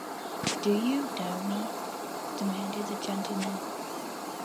‘Do you know me?’ demanded the gentleman.